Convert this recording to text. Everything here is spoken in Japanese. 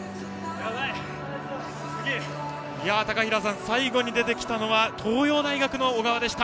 高平さん、最後に出てきたのは東洋大学の小川でした。